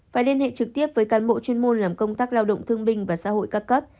phải liên hệ trực tiếp với cán bộ chuyên môn làm công tác lao động thương binh và xã hội ca cấp